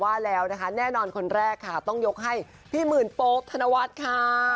ว่าแล้วนะคะแน่นอนคนแรกค่ะต้องยกให้พี่หมื่นโป๊ปธนวัฒน์ค่ะ